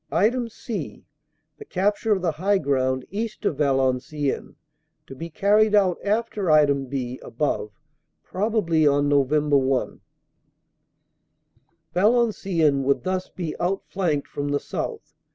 "(c) The capture of the high ground east of Valenciennes to be carried out after (b) above, probably on Nov. 1. "Valenciennes would thus be outflanked from the south.